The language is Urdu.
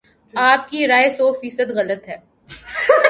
آپ کی رائے سو فیصد غلط ہے